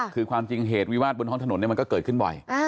คือความจริงเหตุวิวาสบนท้องถนนมันก็เกิดขึ้นบ่อย